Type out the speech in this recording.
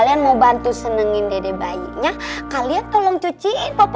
jangan sampai ketahuan cctv